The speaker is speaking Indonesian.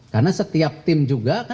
karena setiap tim juga